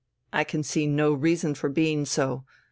I can see no reason for being so.